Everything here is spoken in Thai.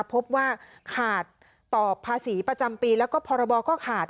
พบว่าขาดต่อภาษีประจำปีแล้วก็พรบก็ขาด